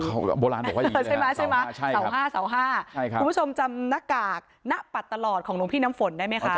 โบราณบอกว่าอย่างนี้เลยฮะเสาห้าเสาห้าเสาห้าคุณผู้ชมจำหน้ากากหน้าปัดตลอดของหลวงพี่น้ำฝนได้ไหมคะ